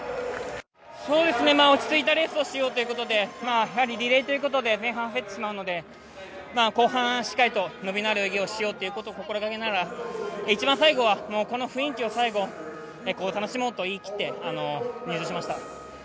落ち着いたレースをしようということで、リレーということで前半は焦ってしまうので、後半、伸びのある泳ぎをしようと心がけながら、一番最後は雰囲気を楽しもうと言い切って、入水しました。